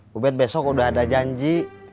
om ubed besok udah ada janji